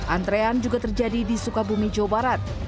antrean juga terjadi di sukabumi jawa barat